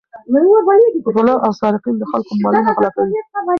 غله او سارقین د خلکو مالونه غلا کوي.